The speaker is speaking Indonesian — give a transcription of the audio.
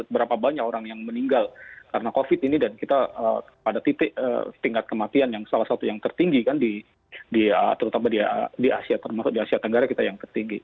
berapa banyak orang yang meninggal karena covid ini dan kita pada tingkat kematian yang salah satu yang tertinggi kan terutama di asia termasuk di asia tenggara kita yang tertinggi